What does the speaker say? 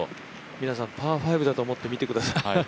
皆さん、パー５だと思って見てください。